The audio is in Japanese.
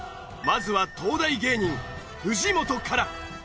まずは東大芸人藤本から。